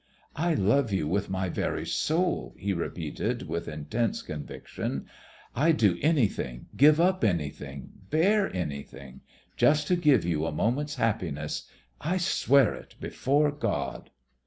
"I love you with my very soul," he repeated with intense conviction. "I'd do anything, give up anything, bear anything just to give you a moment's happiness. I swear it before God!"